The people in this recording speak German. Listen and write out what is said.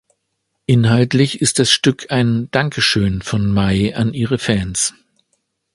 Inhaltlich ist das Stück ein Dankeschön von Mai an ihre Fans.